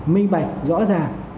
minh mạch rõ ràng